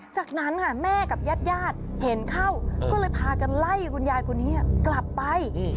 จากนั้นแม่กับญาติเห็นเข้าก็เลยพากันไล่คุณยายกลับไป